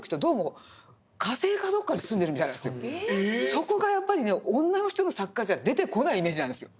そこがやっぱりね女の人の作家じゃ出てこないイメージなんですよ。